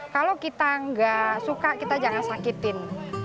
kalau kita nggak suka kita jangan sakitin